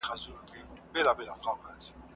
هغه نجلۍ چې شطرنج کوي ډېره هوښیاره ده.